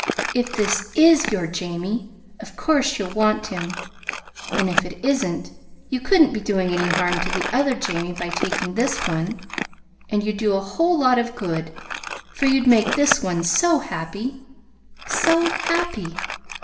If this IS your Jamie, of course you'll want him; and if it isn't, you couldn't be doing any harm to the other Jamie by taking this one, and you'd do a whole lot of good, for you'd make this one so happy so happy!